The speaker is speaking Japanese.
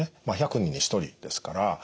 まあ１００人に１人ですから。